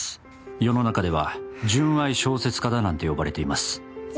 世の中では純愛小説家だなんて呼ばれています